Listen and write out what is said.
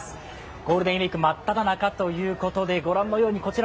ゴールデンウイーク真っただ中ということで、ご覧のように浜金谷港